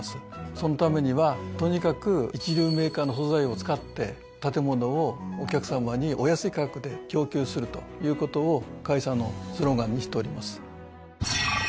そのためにはとにかく一流メーカーの素材を使って建物をお客さまにお安い価格で供給するということを会社のスローガンにしております。